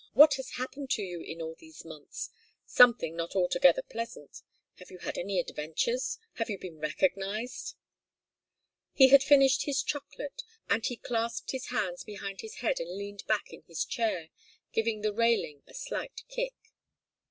What has happened to you in all these months? Something not altogether pleasant. Have you had any adventures? Have you been recognized?" He had finished his chocolate, and he clasped his hands behind his head and leaned back in his chair, giving the railing a slight kick.